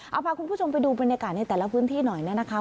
เอาพาคุณผู้ชมไปดูบรรยากาศในแต่ละพื้นที่หน่อยเนี่ยนะคะ